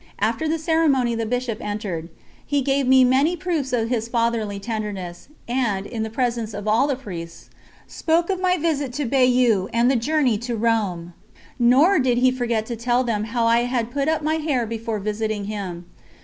After the ceremony the Bishop entered. He gave me many proofs of his fatherly tenderness, and, in presence of all the Priests, spoke of my visit to Bayeux and the journey to Rome; nor did he forget to tell them how I had put up my hair before visiting him.